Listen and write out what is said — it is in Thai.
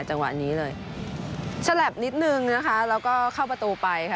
จังหวะนี้เลยฉลับนิดนึงนะคะแล้วก็เข้าประตูไปค่ะ